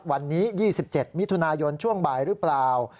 วันนี้๒๗มิถุนายนช่วงบ่ายหรือเปล่า